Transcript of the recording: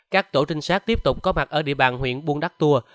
các tổ trinh sát tiếp tục có mặt ở địa bàn huyện buôn đắc tùa